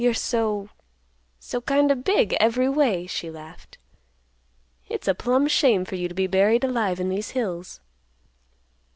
You're so—so kind o' big every way," she laughed. "It's a plumb shame for you to be buried alive in these hills."